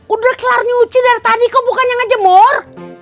udah kelar nyuci dari tadi kok bukannya ngejemur